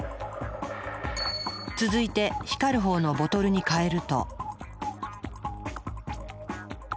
続いて光る方のボトルにかえると。